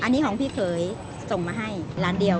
อันนี้ของพี่เขยส่งมาให้ล้านเดียว